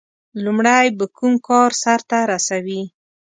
• لومړی به کوم کار سر ته رسوي؟